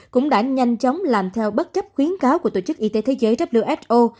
cũng đã nhanh chóng làm theo bất chấp khuyến cáo của tổ chức y tế thế giới who